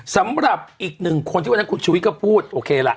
สำหรับอีกหนึ่งคนที่วันนั้นคุณชุวิตก็พูดโอเคล่ะ